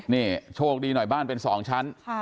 นี่โชคดีหน่อยบ้านเป็น๒ชั้น